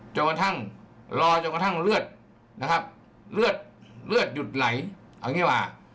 จนกระทั่งรอจนกระทั่งเลือดนะครับเลือดเลือดหยุดไหลอย่างนี้ว่า